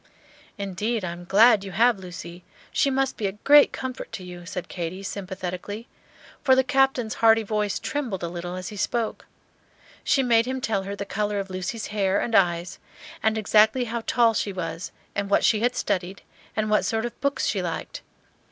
"Indeed, I am glad you have Lucy; she must be a great comfort to you," said Katy, sympathetically; for the Captain's hearty voice trembled a little as he spoke. She made him tell her the color of Lucy's hair and eyes, and exactly how tall she was, and what she had studied, and what sort of books she liked.